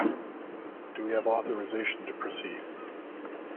Do we have authorisation to proceed?